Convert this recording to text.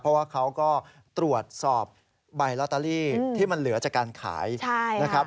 เพราะว่าเขาก็ตรวจสอบใบลอตเตอรี่ที่มันเหลือจากการขายนะครับ